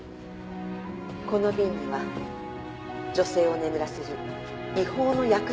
この瓶には女性を眠らせる違法の薬品が入っています。